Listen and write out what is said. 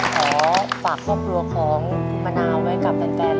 ขอฝากครอบครัวของมะน้าวไว้กับแฟนดังนั้น